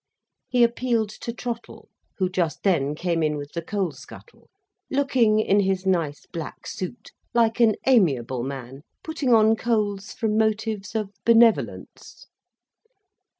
He appealed to Trottle, who just then came in with the coal scuttle, looking, in his nice black suit, like an amiable man putting on coals from motives of benevolence.